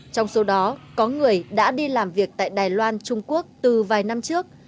trong số đó có người đã đi làm việc tại đài loan trung quốc từ vài năm trước